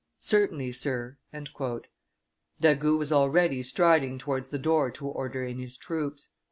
"Certainly, sir." D'Agoult was already striding towards the door to order in his troops.